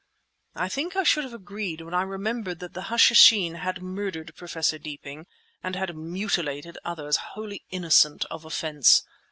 I think I should have agreed, when I remembered that the Hashishin had murdered Professor Deeping and had mutilated others wholly innocent of offence.